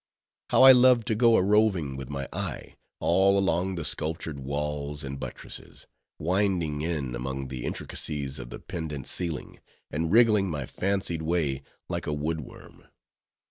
How I loved to go a roving with my eye, all along the sculptured walls and buttresses; winding in among the intricacies of the pendent ceiling, and wriggling my fancied way like a wood worm.